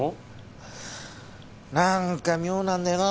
なんか妙なんだよな。